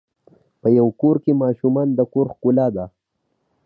په یوه کور کې ماشومان د کور ښکلا ده.